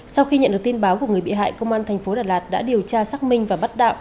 sau khi nhận được tin báo của người bị hại công an thành phố đà lạt đã điều tra xác minh và bắt đạo